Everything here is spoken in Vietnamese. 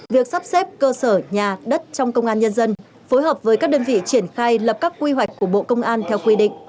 việc sắp xếp cơ sở nhà đất trong công an nhân dân phối hợp với các đơn vị triển khai lập các quy hoạch của bộ công an theo quy định